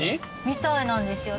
みたいなんですよ